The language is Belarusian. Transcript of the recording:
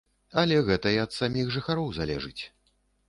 Але гэта і ад саміх жыхароў залежыць.